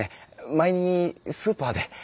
前にスーパーで。